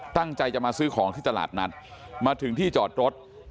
ตั้งใจจะมาซื้อของที่ตลาดนัดมาถึงที่จอดรถ